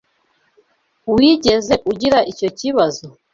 Wigeze ugira icyo kibazo?